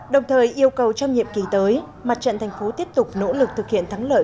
đồng thời yêu cầu trong nhiệm kỳ tới mặt trận tp tiếp tục nỗ lực thực hiện thắng lợi